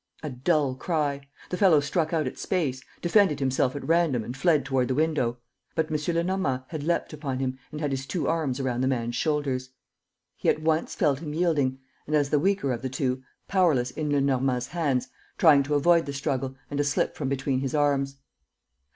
A dull cry. The fellow struck out at space, defended himself at random and fled toward the window. But M. Lenormand had leapt upon him and had his two arms around the man's shoulders. He at once felt him yielding and, as the weaker of the two, powerless in Lenormand's hands, trying to avoid the struggle and to slip from between his arms.